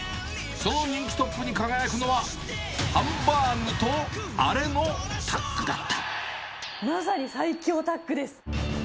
その人気トップに輝くのは、まさに最強タッグです。